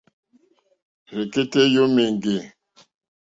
Rzɛ̀kɛ́tɛ́ yǒmà éŋɡê.